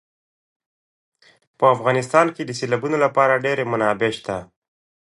په افغانستان کې د سیلابونو لپاره ډېرې منابع شته دي.